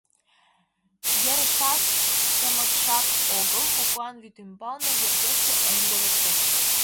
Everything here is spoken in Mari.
Ерыштат тымыкшак огыл, коклан вӱд ӱмбалне йыргешке оҥго налеш.